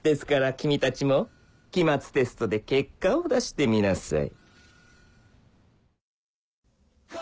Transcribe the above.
君たちも期末テストで結果を出してみなさい